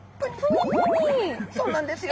そうなんですよ。